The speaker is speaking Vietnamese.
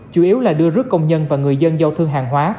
chủ yếu là đưa rút công nhân và người dân giao thương hàng hóa